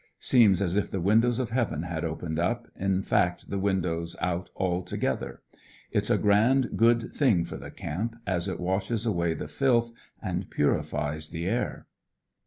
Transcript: Seems as if the windows of Heaven had opened up, in fact the windows out all together. It's a grand good thing for the camp, as it washes away the filth and purifies the air.